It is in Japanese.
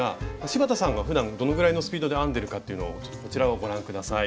柴田さんがふだんどのぐらいのスピードで編んでるかっていうのをちょっとこちらをご覧下さい。